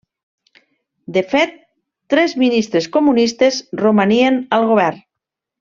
De fet tres ministres comunistes romanien al govern.